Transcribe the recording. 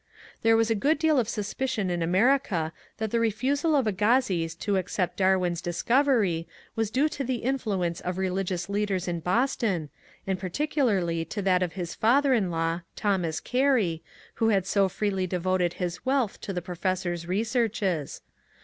There was a good deal of suspicion in America that the refusal of Agassiz to accept Darwin's discovery was due to the influence of religious leaders in Boston, and particularly to that of his father in law, Thomas Gary, who had so freely devoted his wealth to the professor's researches.